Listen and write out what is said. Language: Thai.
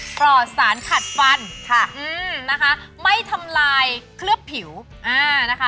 ปลอดสารขัดฟันค่ะอืมนะคะไม่ทำลายเคลือบผิวอ่านะคะ